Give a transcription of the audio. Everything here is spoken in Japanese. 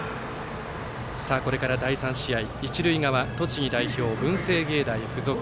これから第３試合、一塁側栃木代表、文星芸大付属。